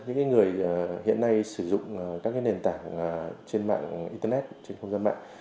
những người hiện nay sử dụng các nền tảng trên mạng internet trên không gian mạng